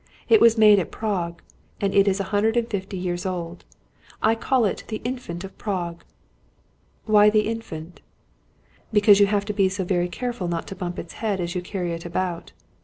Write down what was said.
It was made at Prague, and it is a hundred and fifty years old. I call it the Infant of Prague." "Why the 'Infant'?" "Because you have to be so careful not to bump its head as you carry it about.